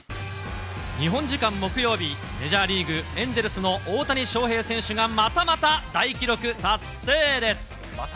日本時間木曜日、メジャーリーグ・エンゼルスの大谷翔平選手が、またまた大記録達成です。